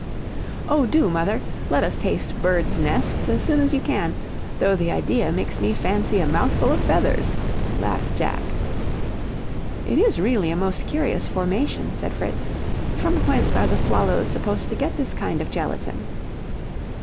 "Oh, do, mother; let us taste birds' nests as soon as you can, though the idea makes me fancy a mouth full of feathers!" laughed Jack. "It is really a most curious formation," said Fritz. "From whence are the swallows supposed to get this kind of gelatine?"